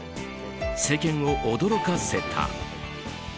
世間を驚かせた。